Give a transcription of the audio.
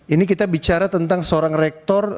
ini kita bicara tentang seorang rektor